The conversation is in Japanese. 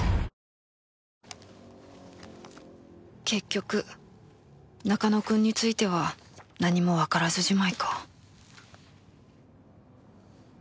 結局中野くんについては何もわからずじまいか